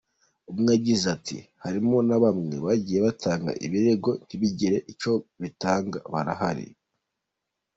Umwe yagize ati “Harimo na bamwe bagiye batanga ibirego ntibigire icyo bitanga, barahari.